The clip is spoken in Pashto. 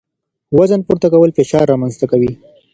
وزن پورته کول فشار رامنځ ته کوي.